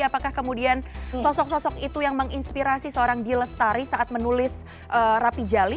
apakah kemudian sosok sosok itu yang menginspirasi seorang d lestari saat menulis rapi jali